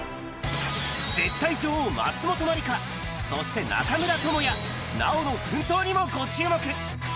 絶対女王、松本まりか、そして中村倫也、奈緒の奮闘にもご注目。